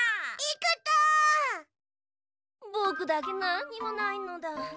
ぼくだけなんにもないのだ。